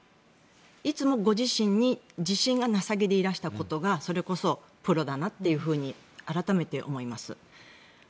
いつもご自身に自信がなさげでいらしたことがそれこそプロだなというふうに改めて思います。